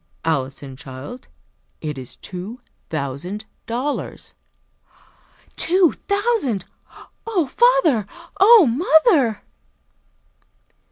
"Alison, child, it is two thousand dollars!" "Two thousand! Oh, father! Oh, mother!"